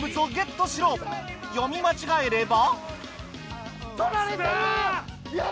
読み間違えれば。